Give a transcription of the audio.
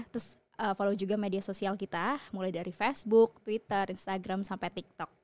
terus follow juga media sosial kita mulai dari facebook twitter instagram sampai tiktok